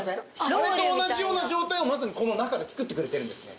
あれと同じような状態をまさにこの中で作ってくれているんですね。